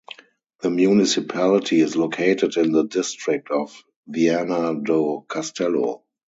The municipality is located in the district of Viana do Castelo.